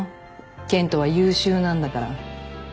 健人は優秀なんだから。